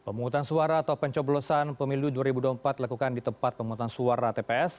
pemungutan suara atau pencoblosan pemilu dua ribu dua puluh empat dilakukan di tempat pemungutan suara tps